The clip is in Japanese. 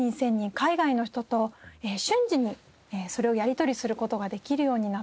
海外の人と瞬時にそれをやり取りする事ができるようになったと。